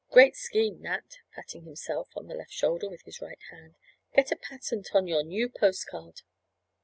Great scheme, Nat (patting himself on the left shoulder with his right hand), get a patent on your new post card."